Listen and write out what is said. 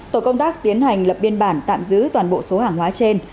tổ công tác tiến hành lập biên bản tạm giữ toàn bộ số hàng hóa trên